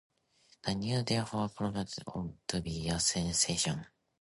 The new theatre proved to be a sensation.